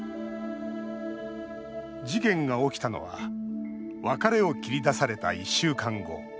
事件が起きたのは別れを切り出された１週間後。